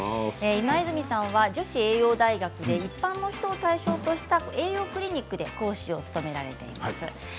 今泉さんは女子栄養大学で一般の人を対象にした栄養クリニックで講師を務めています。